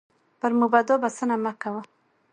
پر مبتدا بسنه مه کوه،